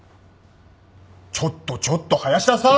ちょっとちょっと林田さん！